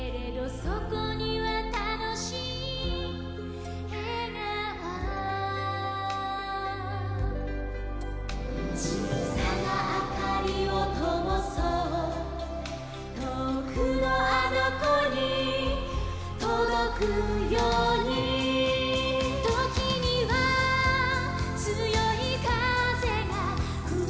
「そこにはたのしいえがお」「ちいさなあかりをともそう」「とおくのあのこにとどくように」「ときにはつよいかぜがふいて」